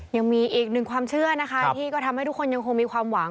ยังมีอีกหนึ่งความเชื่อนะคะที่ก็ทำให้ทุกคนยังคงมีความหวัง